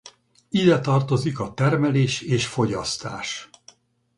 Ide tartozik a termelés és fogyasztás.